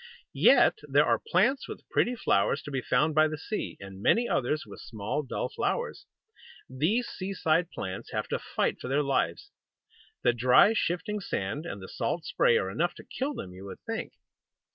Yet there are plants with pretty flowers to be found by the sea, and many others with small, dull flowers. These seaside plants have to fight for their lives. The dry, shifting sand, and the salt spray, are enough to kill them, you would think.